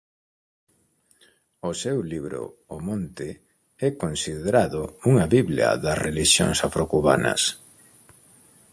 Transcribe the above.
O seu libro "O Monte" é considerado unha biblia das relixións afrocubanas.